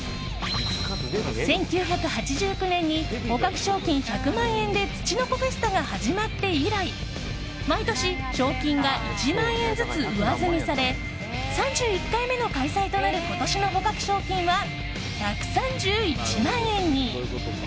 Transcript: １９８９年に捕獲賞金１００万円でつちのこフェスタが始まって以来毎年、賞金が１万円ずつ上積みされ３１回目の開催となる今年の捕獲賞金は１３１万円に！